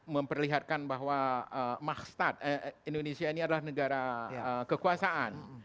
memperlihatkan bahwa indonesia ini adalah negara kekuasaan